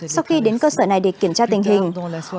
sau khi đến cơ sở này để kiểm tra tình hình